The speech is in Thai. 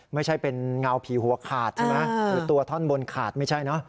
ไม่ใช่เป็นเงาผีหัวขาดใช่ไหมหรือตัวท่อนบนขาดไม่ใช่เนอะ